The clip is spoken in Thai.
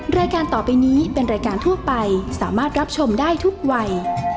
รายการต่อไปนี้เป็นรายการทั่วไปสามารถรับชมได้ทุกวัย